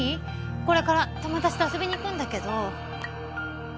これから友達と遊びに行くんだけど。